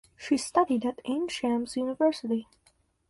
She studied at Ain Shams University.